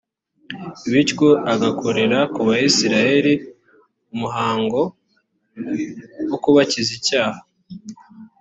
bityo agakorera ku bayisraheli umuhango wo kubakiza icyaha.